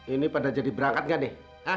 ini pada jadi berangkat nggak nih